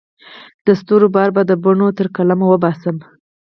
د ستورو بار به د بڼو تر قلم وباسمه